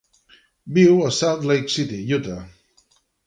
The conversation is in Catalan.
Viu a Salt Lake City, Utah.